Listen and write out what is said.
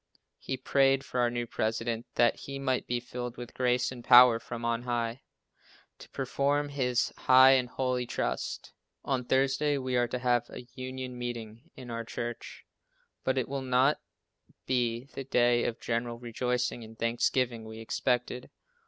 He prayed for our new President, that he might be filled with grace and power from on High, to perform his high and holy trust. On Thursday we are to have a union meeting in our church, but it will not be the day of general rejoicing and thanksgiving we expected.